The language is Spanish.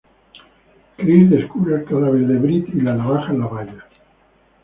Chris descubre el cadáver de Britt y la navaja en la valla.